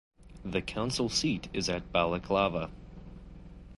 The council seat is at Balaklava.